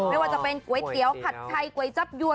ไม่ว่าจะเป็นก๋วยเตี๋ยวผัดชัยก๋วยจับยวน